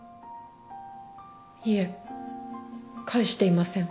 いえ返していません。